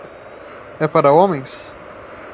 É para homens?